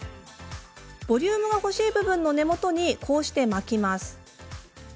ボリュームが欲しい部分の根元に巻きます。